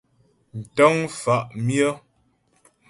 Ntə́ŋ mfá' myə́.